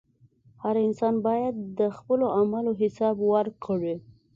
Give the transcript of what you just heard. • هر انسان باید د خپلو اعمالو حساب ورکړي.